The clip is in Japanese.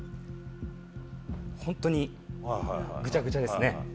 ホントにぐちゃぐちゃですね。